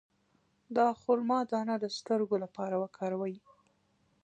د خرما دانه د سترګو لپاره وکاروئ